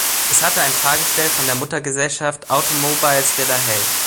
Es hatte ein Fahrgestell von der Muttergesellschaft Automobiles Delahaye.